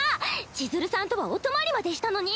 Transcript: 千鶴さんとはお泊まりまでしたのに。